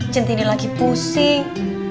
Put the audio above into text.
centini lagi pusing